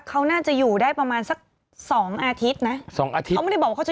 เขาน่าจะอยู่ได้ประมาณสักสองอาทิตย์นะสองอาทิตย์เขาไม่ได้บอกว่าเขาจะ